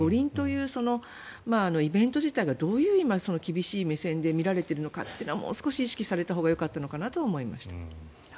五輪というイベント自体がどういう厳しい目線で見られているのかということはもう少し意識されたほうがよかったのかなとは思いました。